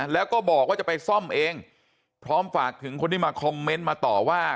แล้วก็บอกว่าจะไปซ่อมเองพร้อมฝากถึงคนที่มาคอมเมนต์มาต่อว่า